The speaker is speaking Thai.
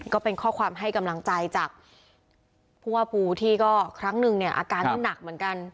ก็เป็นข้อความให้กำลังใจจากผู้ว่าปูที่ก็ครั้งนึงเนี่ยอาการก็หนักเหมือนกัน